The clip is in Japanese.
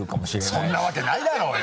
そんなわけないだろうよ！